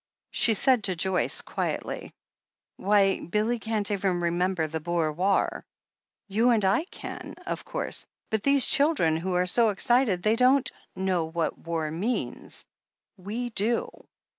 She said to Joyce quietly : "Why, Billy can't even remember the Boer War. You and I can, of course ; but these children, who are so excited — ^they don't know what war means. We do."